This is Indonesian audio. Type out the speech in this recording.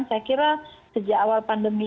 saya kira sejak awal pandemi